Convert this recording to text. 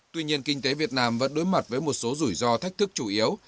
tuy nhiên kinh tế việt nam vẫn đối mặt với một số rủi ro thách thức chủ yếu